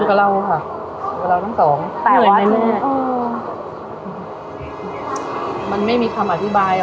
กับเราค่ะกับเราทั้งสองแต่ไว้แน่มันไม่มีคำอธิบายอ่ะ